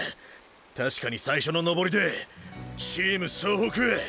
確かに最初の登りでチーム総北！！